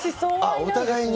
お互いに？